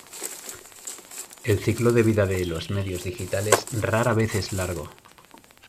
El ciclo de vida de los medios digitales rara vez es largo.